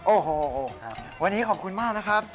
โอ้โหวันนี้ขอบคุณมากนะครับ